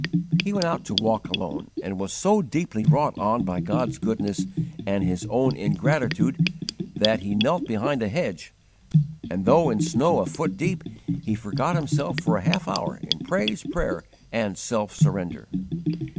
He went out to walk alone, and was so deeply wrought on by God's goodness and his own ingratitude that he knelt behind a hedge, and, though in snow a foot deep, he forgot himself for a half hour in praise, prayer, and self surrender.